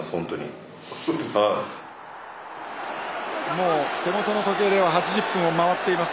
もう手元の時計では８０分を回っています。